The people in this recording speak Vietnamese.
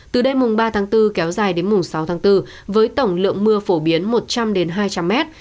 từ đêm mùng ba tháng bốn kéo dài đến mùng sáu tháng bốn với tổng lượng mưa phổ biến một trăm linh hai trăm linh mét